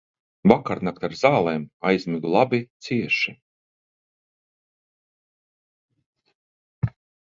Vakarnakt ar zālēm aizmigu labi, cieši.